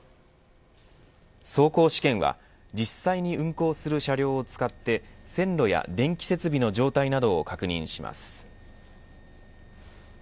走行試験は実際に運行する車両を使って線路や電気設備の状態などを確認します。